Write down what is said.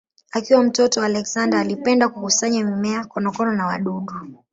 Akiwa mtoto Alexander alipenda kukusanya mimea, konokono na wadudu.